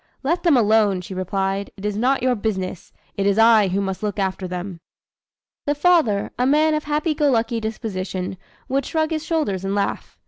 'Let them alone,' she replied; 'it is not your business, it is I who must look after them.'" The father, a man of happy go lucky disposition, would shrug his shoulders and laugh.